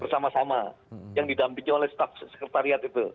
bersama sama yang didampingi oleh staff sekretariat itu